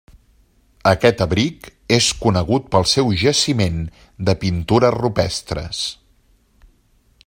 Aquest abric és conegut pel seu jaciment de pintures rupestres.